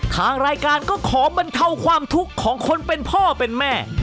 ทางรายการก็ขอบรรเทาความทุกข์ของคนเป็นพ่อเป็นแม่